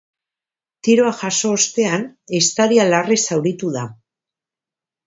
Tiroa jaso ostean, ehiztaria larri zauritu da.